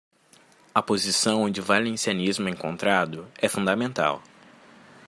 A posição onde o valencianismo é encontrado é fundamental.